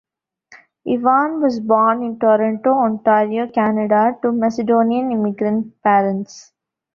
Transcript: Ivan was born in Toronto, Ontario, Canada, to Macedonian immigrant parents.